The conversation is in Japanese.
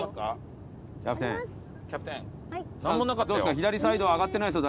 左サイドは上がってないですよ